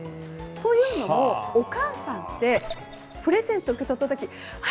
というのも、お母さんってプレゼントを受け取った時にあ！